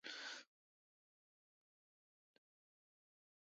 غول د غوړو دروند بار لري.